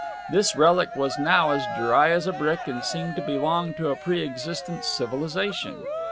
This relic was now as dry as a brick, and seemed to belong to a pre existent civilization.